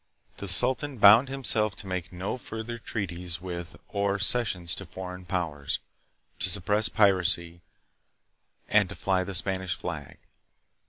The sultan bound himself to make no further treaties wit h or cessions to foreign powers, to suppress piracy, 4 and to fly the Spanish flag.